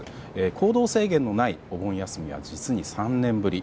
行動制限のないお盆休みは実に３年ぶり。